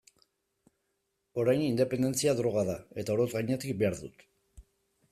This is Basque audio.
Orain, independentzia droga da, eta oroz gainetik behar dut.